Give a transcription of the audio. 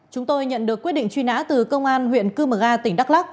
chúng tôi nhận được quyết định truy nã từ công an huyện cư mờ ga tỉnh đắk lắc